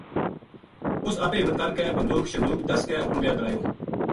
اس اَپے ہمت کر کے بندوکھ شندوکھ دَس کے اپنو بیاہ کرایو